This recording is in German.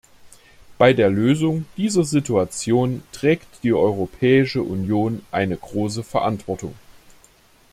Bei der Lösung dieser Situation trägt die Europäische Union eine große Verantwortung.